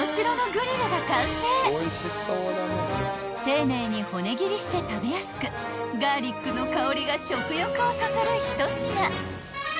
［丁寧に骨切りして食べやすくガーリックの香りが食欲をそそる一品］